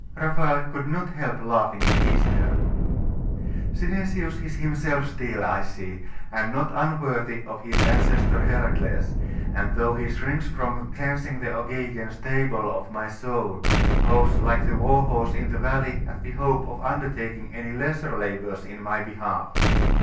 Raphael could not help laughing in his turn. 'Synesius is himself still, I see, and not unworthy of his ancestor Hercules; and though he shrinks from cleansing the Augean stable of my soul, paws like the war horse in the valley at the hope of undertaking any lesser labours in my behalf.